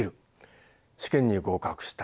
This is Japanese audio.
試験に合格した。